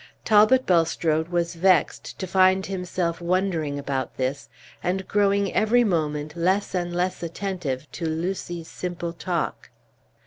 Talbot Bulstrode was vexed to find himself wondering about this, and growing every moment less and less attentive to Lucy's simple talk.